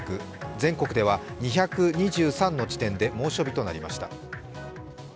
全国では２２３の地点で猛暑日となりました。